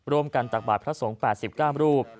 ร่วมกันตักบาทพระสงค์๘๙รูป